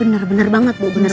benar benar banget bu benar